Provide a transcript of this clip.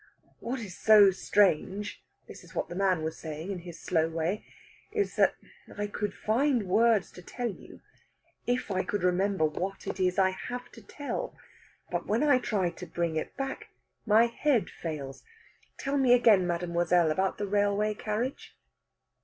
"What is so strange" this is what the man was saying, in his slow way "is that I could find words to tell you, if I could remember what it is I have to tell. But when I try to bring it back, my head fails. Tell me again, mademoiselle, about the railway carriage."